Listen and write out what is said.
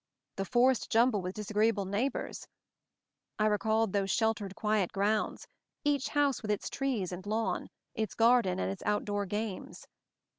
The "forced jumble with disagreeable neighbors I" I recalled those sheltered quiet grounds ; each house with its trees and lawn, its garden and its outdoor games.